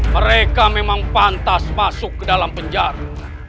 mereka memang pantas masuk ke dalam penjara